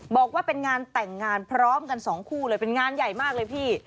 บอกว่าเป็นงานแต่งงานพร้อมกันสองคู่เลยเป็นงานใหญ่มากเลยพี่